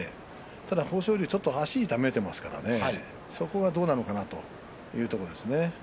ただ豊昇龍、ちょっと足を痛めていますからそこはどうなのかなというところですね。